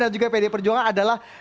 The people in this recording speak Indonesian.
dan juga pd perjuangan adalah